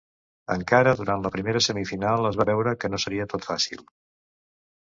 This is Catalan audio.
Encara durant la primera semifinal, es va veure que no serà tot fàcil.